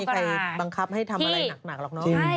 ใครบังคับให้ทำอะไรหนักหรอกเนอะ